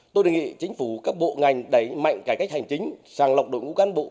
tôi đề nghị chính phủ các bộ ngành đẩy mạnh cải cách hành chính sàng lọc đội ngũ cán bộ